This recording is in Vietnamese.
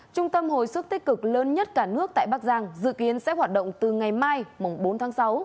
trung tâm hồi sức tích cực lớn nhất cả nước tại bắc giang dự kiến sẽ hoạt động từ ngày mai bốn tháng sáu